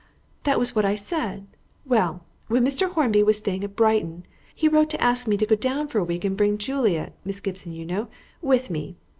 "That was what I said. Well, when Mr. Hornby was staying at Brighton he wrote to ask me to go down for a week and bring Juliet Miss Gibson, you know with me.